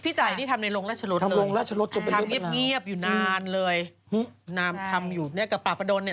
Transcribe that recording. พี่ไตนี่ทำในโรงรัชรถเลยค่ะทำเรียบอยู่นานเลยนามทำอยู่เดียวกับประปาโดนเนี่ย